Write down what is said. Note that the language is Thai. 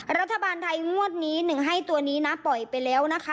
รัฐบาลไทยงวดนี้หนึ่งให้ตัวนี้นะปล่อยไปแล้วนะคะ